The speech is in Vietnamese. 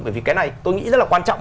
bởi vì cái này tôi nghĩ rất là quan trọng